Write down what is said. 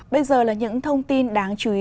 bây giờ là những thông tin đáng chú ý